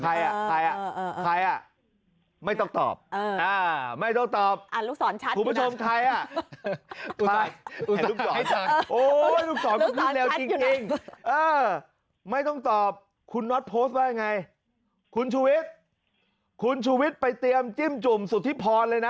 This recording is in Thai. ทำไมคนไม่เอางัดแสนหรอ